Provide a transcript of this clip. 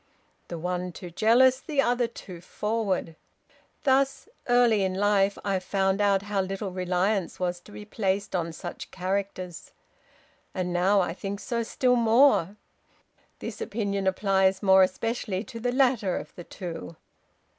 The one too jealous, the other too forward. Thus, early in life, I found out how little reliance was to be placed on such characters. And now I think so still more; and this opinion applies more especially to the latter of the two.